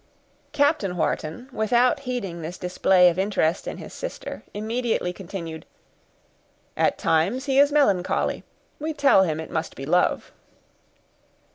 Captain Wharton, without heeding this display of interest in his sister, immediately continued, "At times he is melancholy—we tell him it must be love."